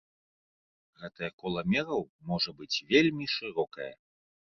Гэтае кола мераў можа быць вельмі шырокае.